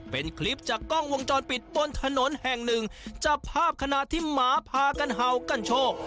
เป็นคลิปจากกล้องวงจรปิดบนถนนแห่งหนึ่งจับภาพขณะที่หมาพากันเห่ากันโชค